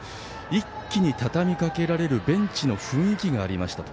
一気にたたみかけられるベンチの雰囲気がありましたと。